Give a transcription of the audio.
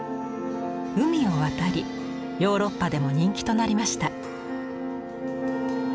海を渡りヨーロッパでも人気となりました。